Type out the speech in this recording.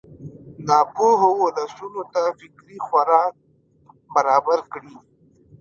ناپوهو ولسونو ته فکري خوراک برابر کړي.